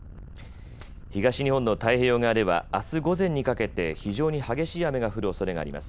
東日本の太平洋側ではあす午前にかけて非常に激しい雨が降るおそれがあります。